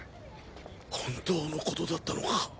本当の事だったのか